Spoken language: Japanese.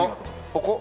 ここ？